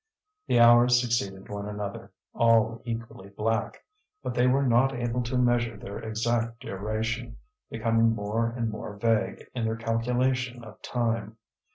The hours succeeded one another, all equally black; but they were not able to measure their exact duration, becoming more and more vague in their calculation of time.